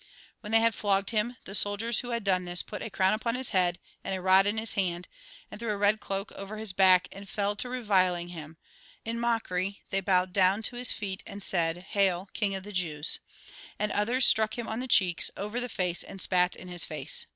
When they had flogged him, the soldiers, who had done this, put a crown upon his head, and a rod in his hand, and threw a red cloak over his back, and fell to reviling him ; in mockery, they bowed down to his feet, and said :" Hail, king of the Jews !" And others struck him on the cheeks, over the face, and spat in his face.